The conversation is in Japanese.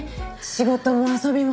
仕事も遊びも。